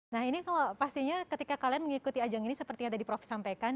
nah ini kalau pastinya ketika kalian mengikuti ajang ini seperti yang tadi prof sampaikan